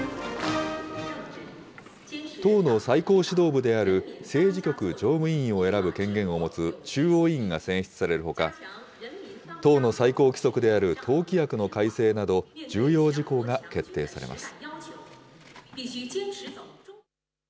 党の最高指導部である政治局常務委員を選ぶ権限を持つ中央委員が選出されるほか、党の最高規則である党規約の改正など、重要事項が決定されます。